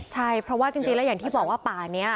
ใช่เพราะว่าจริงแล้วอย่างที่บอกว่าป่านี้